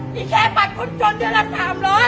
ที่ใช้บัตรคนจนเดือนละ๓๐๐